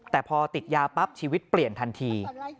แต่พอติดยาปั๊บชีวิตเปลี่ยนทันที